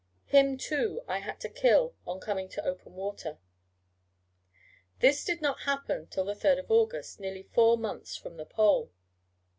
Him, too, I had to kill on coming to open water. This did not happen till the 3rd August, nearly four months from the Pole.